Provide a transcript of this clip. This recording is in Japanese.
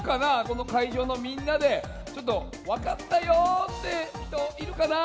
このかいじょうのみんなでちょっとわかったよってひといるかな？